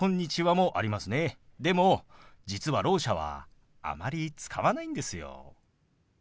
でも実はろう者はあまり使わないんですよ。